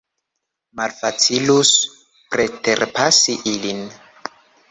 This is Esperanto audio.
Malfacilus preterpasi ilin.